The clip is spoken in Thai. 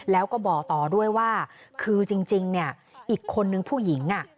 แล้วก็บอกต่อด้วยว่าคือจริงเนี่ยอีกคนนึงผู้หญิง